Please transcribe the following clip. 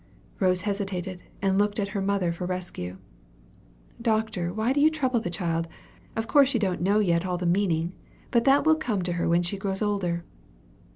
Rose hesitated, and looked at her mother for rescue. "Doctor, why do you trouble the child? Of course she don't know yet all the meaning. But that will come to her when she grows older."